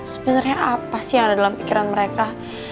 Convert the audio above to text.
sebenarnya apa sih yang ada dalam pikiran mereka